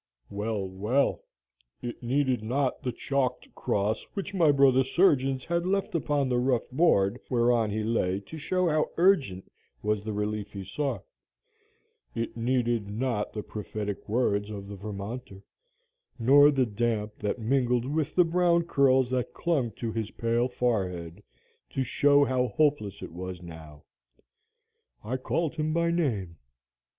"Well! well! it needed not the chalked cross which my brother surgeons had left upon the rough board whereon he lay to show how urgent was the relief he sought; it needed not the prophetic words of the Vermonter, nor the damp that mingled with the brown curls that clung to his pale forehead, to show how hopeless it was now. I called him by name.